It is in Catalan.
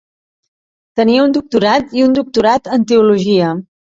Tenia un doctorat i un doctorat en teologia.